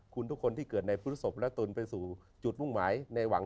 คุณทุกคนที่เกิดในพฤศพและตุนไปสู่จุดมุ่งหมายในหวัง